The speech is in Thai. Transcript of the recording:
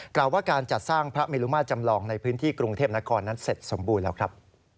กล่าวว่าการจัดสร้างพระเมลุมาตรจำลองในพื้นที่กรุงเทพนครนั้นเสร็จสมบูรณ์แล้วครับ